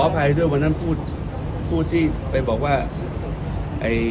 การประชุมเมื่อวานมีข้อกำชับหรือข้อกำชับอะไรเป็นพิเศษ